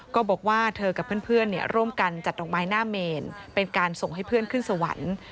ก็บอกว่าเธอกับเพื่อนร่วมกันจัดดอกไม้หน้าเมนเป็นการส่งให้เพื่อนขึ้นสวรรค์